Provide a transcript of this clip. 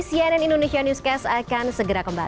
cnn indonesia newscast akan segera kembali